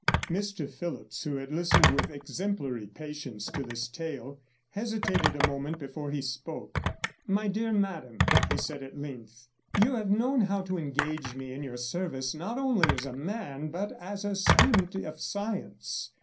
Mr Phillipps, who had listened with exemplary patience to this tale, hesitated a moment before he spoke. 40 'My dear madam,' he said at length, 'you have known how to engage me in your service, not only as a man, but as a student of science.